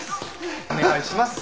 お願いします。